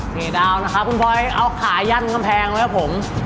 โอเคดาวน์นะครับน่ะครับถึงพลอยเอาข่ายั่นกระแพงครับผม